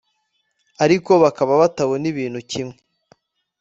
ariko bakaba batabona ibintu kimwe